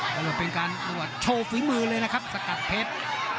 ก็เลยเป็นการประวัติโชว์ฝีมือเลยนะครับสกัดเพชร